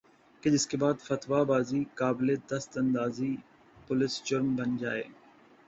کہ جس کے بعد فتویٰ بازی قابلِ دست اندازیِ پولیس جرم بن جائے